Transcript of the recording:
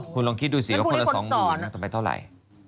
คุณลองคิดดูสิว่าคนละ๒๐๐๐นะต่อไปเท่าไหร่